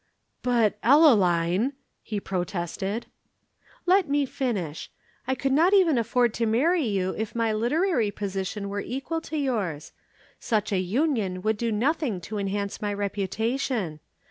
"But, Ellaline " he protested. "Let me finish. I could not even afford to marry you, if my literary position were equal to yours. Such a union would do nothing to enhance my reputation.